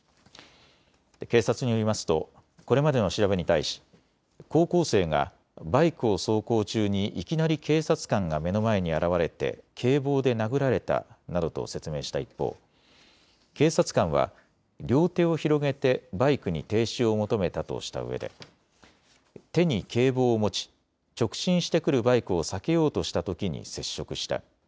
警察によりますとこれまでの調べに対し、高校生がバイクを走行中にいきなり警察官が目の前に現れて警棒で殴られたなどと説明した一方、警察官は両手を広げてバイクに停止を求めたとしたうえで手に警棒を持ち直進してくるバイクを避けようとしたときに接触した。